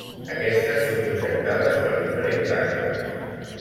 Aquestes són projectades per diferents angles.